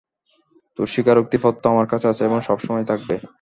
তোর স্বীকারোক্তি পত্র আমার কাছে আছে এবং সবসময়ই থাকবে।